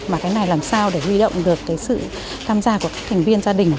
mà cái này làm sao để huy động được cái sự tham gia của các thành viên gia đình